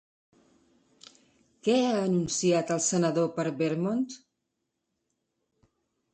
Què ha anunciat el senador per Vermont?